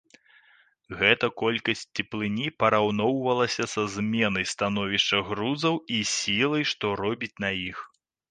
Гэта колькасць цеплыні параўноўвалася са зменай становішча грузаў і сілай, што робіць на іх.